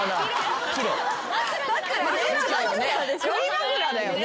枕だよね？